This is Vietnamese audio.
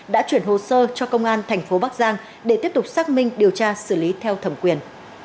đã chuyển hồ sơ cho công an thành phố bắc giang để tiếp tục xác minh điều tra xử lý theo thẩm quyền